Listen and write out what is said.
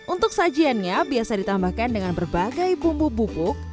untuk sajiannya biasa ditambahkan dengan berbagai bumbu bubuk